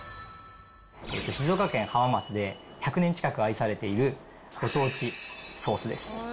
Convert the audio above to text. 静岡県浜松で１００年近く愛されているご当地ソースです。